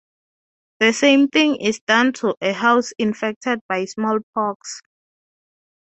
The same thing is done to a house infected by smallpox.